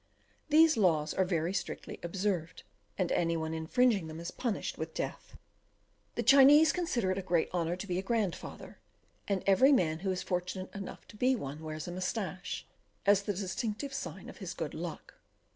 These laws are very strictly observed, and any one infringing them is punished with death. The Chinese consider it a great honour to be a grandfather, and every man who is fortunate enough to be one wears a moustache, as the distinctive sign of his good luck.